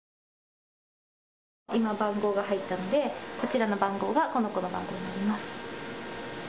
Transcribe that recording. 今、番号が入ったのでこの番号がこの子の番号になります。